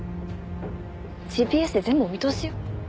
ＧＰＳで全部お見通しよ。